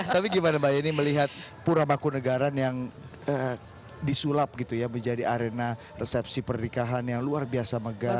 tapi gimana mbak yeni melihat pura mangkunagaran yang disulap gitu ya menjadi arena resepsi pernikahan yang luar biasa megah